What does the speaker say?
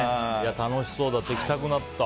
楽しそうだった行きたくなった。